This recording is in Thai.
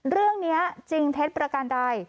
เรื่องนี้จริงเท็จประการใด